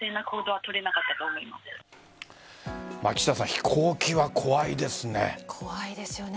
飛行機は怖いですね。